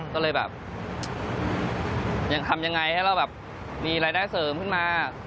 ก็เลยแบบยังทำยังไงให้เราแบบมีรายได้เสริมขึ้นมา